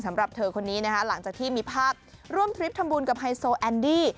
สำหรับเธอคนนี้นะคะหลังจากที่มีภาพร่วมทริปทำบุญกับไฮโซแอนดี้